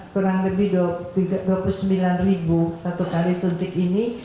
kurang lebih dua puluh sembilan ribu satu kali suntik ini